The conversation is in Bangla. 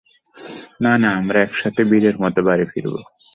না, না, আমরা একসাথে বীরের মতো বাড়ি ফিরব!